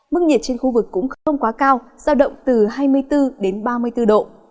mức nhiệt trên khu vực cũng không quá cao giao động từ hai mươi bốn đến ba mươi bốn độ